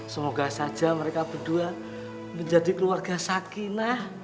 semoga saja mereka berdua menjadi keluarga sakinah